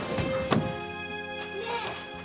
ねえ？